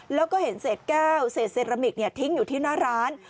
แล้วก็เห็นเศษแก้วเศษเซรามิกทิ้งอยู่ที่หน้าร้าน